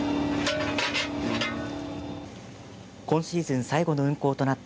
今シーズン最後の運行となった